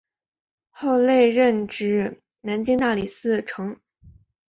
后累任至南京大理寺丞。